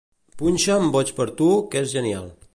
Punxa'm "Boig per tu", que és genial.